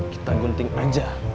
kita gunting aja